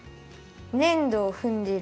ねんどをふんでる。